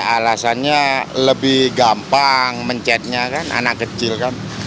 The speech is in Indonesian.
alasannya lebih gampang mencetnya kan anak kecil kan